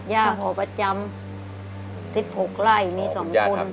ย่าเขาประจำ๑๖ไร่มี๒คน